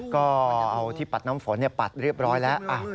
ก็เอาที่ปัดน้ำฝนปัดเรียบร้อยแล้ว